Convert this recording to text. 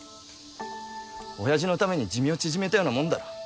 親父のために寿命縮めたようなもんだろ